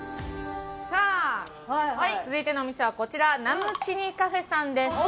さあ続いてのお店はこちらナムチニカフェさんです。